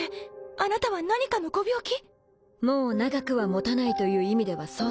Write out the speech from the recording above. あなたは何かのご病気もう長くは持たないという意味では修Δ箸盡世┐